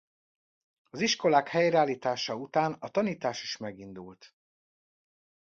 Az iskolák helyreállítása után a tanítás is megindult.